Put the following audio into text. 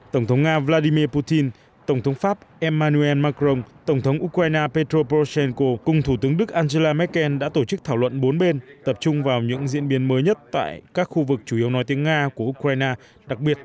tổng thống nga vladimir putin tổng thống pháp emmanuel macron tổng thống ukraine petro pochenko cùng thủ tướng đức angela merkel đã tổ chức thảo luận bốn bên tập trung vào những diễn biến mới nhất tại các khu vực chủ yếu nói tiếng nga của ukraine